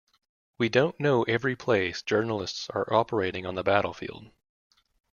We don't know every place journalists are operating on the battlefield.